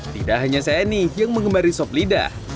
tidak hanya saya nih yang mengembari sop lidah